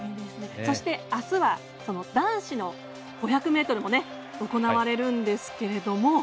そして、あすは男子の５００ｍも行われるんですけれども。